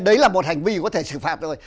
đấy là một hành vi có thể xử phạt rồi